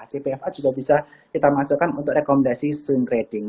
jpfa juga bisa kita masukkan untuk rekomendasi swing trading